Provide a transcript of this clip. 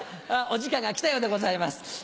お時間が来たようでございます。